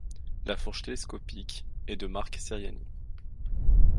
La fourche télescopique est de marque Ceriani.